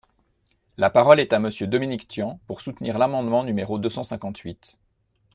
La parole est à Monsieur Dominique Tian, pour soutenir l’amendement numéro deux cent cinquante-huit.